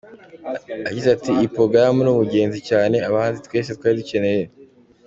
Yagize ati "Iyi porogaramu ni ingenzi cyane, abahinzi twese twari tuyikeneye.